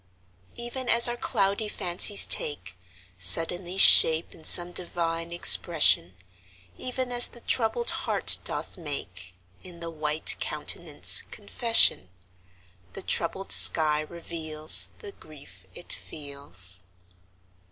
Even as our cloudy fancies take Suddenly shape in some divine expression, Even as the troubled heart doth make In the white countenance confession, The troubled sky reveals The grief it feels.